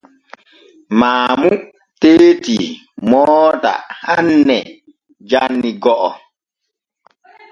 Maamu teeti moota hanne janni go’o.